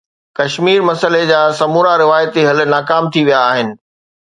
ڪشمير مسئلي جا سمورا روايتي حل ناڪام ٿي ويا آهن.